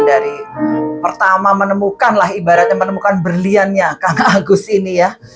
dari pertama menemukanlah ibaratnya menemukan berliannya kang agus ini ya